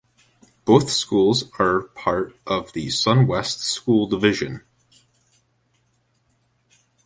Both schools are part of the Sun West School Division.